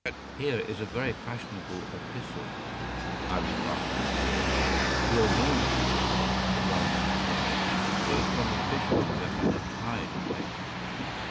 “Here is a very fashionable epistle,” I remarked, as he entered. “Your morning letters, if I remember right, were from a fish monger and a tide waiter.